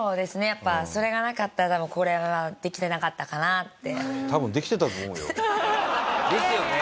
やっぱそれがなかったらこれはできてなかったかなって。ですよね。